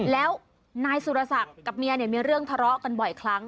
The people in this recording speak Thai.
แล้วนายสุรศักดิ์กับเมียเนี่ยมีเรื่องทะเลาะกันบ่อยครั้ง